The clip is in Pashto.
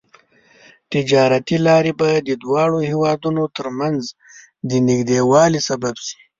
تجارتي لارې به د دواړو هېوادونو ترمنځ د نږدیوالي سبب شي.